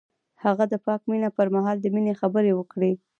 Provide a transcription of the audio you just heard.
هغه د پاک مینه پر مهال د مینې خبرې وکړې.